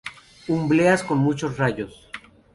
Umbelas con muchos rayos.